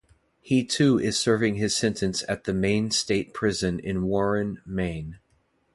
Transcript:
He too is serving his sentence at the Maine State Prison in Warren, Maine.